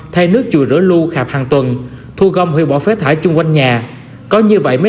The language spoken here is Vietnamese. thay nước chùi rửa lưu khạp hàng tuần thu gom hoặc bỏ phé thải chung quanh nhà có như vậy mới